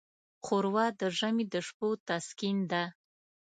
ښوروا د ژمي د شپو تسکین ده.